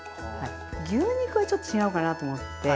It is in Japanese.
牛肉はちょっと違うかなと思って。